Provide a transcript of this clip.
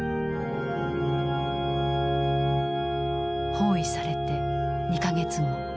包囲されて２か月後。